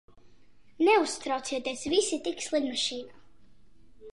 Neuztraucieties, visi tiks lidmašīnā.